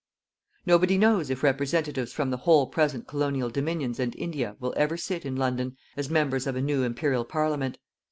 Nobody knows if representatives from the whole present colonial Dominions and India will ever sit, in London, as members of a new Imperial Parliament.